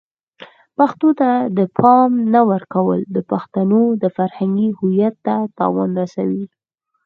پښتو ته د پام نه ورکول د پښتنو د فرهنګی هویت ته تاوان رسوي.